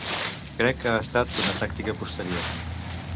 Crec que ha estat una tàctica posterior.